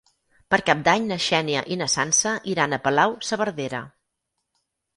Per Cap d'Any na Xènia i na Sança iran a Palau-saverdera.